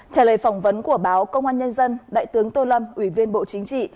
trả lời phỏng vấn của báo công an nhân dân đại tướng tô lâm ủy viên bộ chính trị